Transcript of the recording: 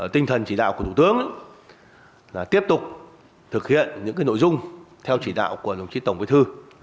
tinh thần chỉ đạo của thủ tướng là tiếp tục thực hiện những nội dung theo chỉ đạo của đồng chí tổng bí thư